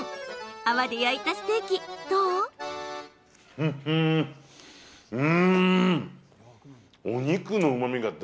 泡で焼いたステーキ、どう？